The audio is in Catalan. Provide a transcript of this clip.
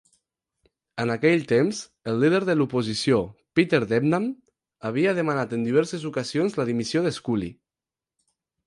En aquell temps, el líder de l'oposició, Peter Debnam, havia demanat en diverses ocasions la dimissió d'Scully.